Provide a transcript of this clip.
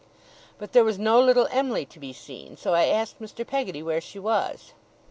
But there was no little Em'ly to be seen, so I asked Mr. Peggotty where she was.